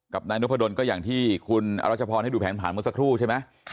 นายนพดลก็อย่างที่คุณอรัชพรให้ดูแผนผ่านเมื่อสักครู่ใช่ไหม